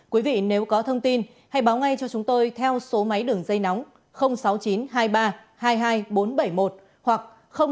quý vị nếu có thông tin hãy báo ngay cho chúng tôi theo số máy đường dây nóng sáu mươi chín hai mươi ba hai mươi hai bốn trăm bảy mươi một hoặc sáu mươi chín hai mươi ba hai mươi một sáu trăm sáu mươi bảy